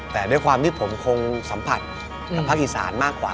แต่ด้วยความที่ผมคงสัมผัสกับภาคอีสานมากกว่า